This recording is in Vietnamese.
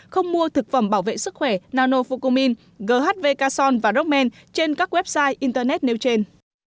không mua thực phẩm bảo vệ sức khỏe nanofocomine ghv cason và rockman trên các website internet nêu trên